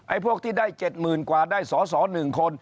ไอ้พวกที่ได้เจ็ดหมื่นกว่าได้สอหนึ่งคน